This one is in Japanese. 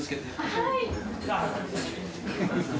はい。